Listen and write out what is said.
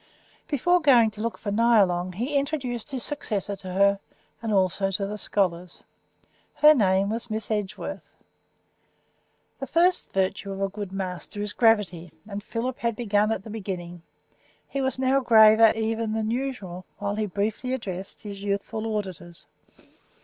Before going to look for Nyalong he introduced his successor to her, and also to the scholars. Her name was Miss Edgeworth. The first virtue of a good master is gravity, and Philip had begun at the beginning. He was now graver even than usual while he briefly addressed his youthful auditors.